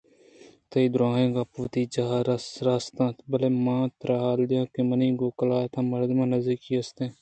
تئی دُرٛاہیں گپ وتی جاہ ءَ راست اَنت بلئے من ترا حال دیاں کہ منی گوں قلات ءِ مردماں نزّیکی ئے است